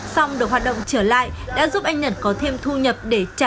xong được hoạt động trở lại đã giúp anh nhật có thêm thu nhập để trả